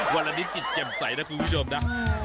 วันนี้จิตเจ็บใสนะคุณผู้ชมนะ